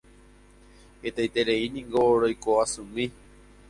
hetaitereíniko roiko asymi